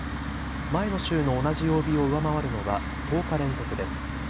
前の週の同じ曜日を上回るのは１０日連続です。